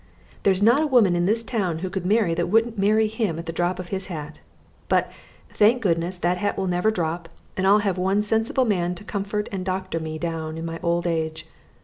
There's not a woman in this town who could marry that wouldn't marry him at the drop of his hat but, thank goodness, that hat will never drop, and I'll have one sensible man to comfort and doctor me down into my old age.